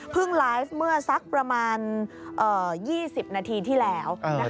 เพิ่งไลฟ์เมื่อสักประมาณ๒๐นาทีที่แล้วนะคะ